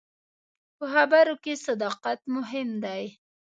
په خبرو کې صداقت مهم دی.